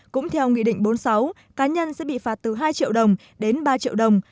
cũng theo nghị định bốn mươi sáu cá nhân sẽ bị phạt từ hai triệu đồng đến ba triệu đồng